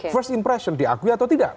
first impression diakui atau tidak